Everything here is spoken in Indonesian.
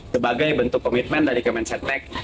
sebagai bentuk komitmen dari kementerian sekretariat negara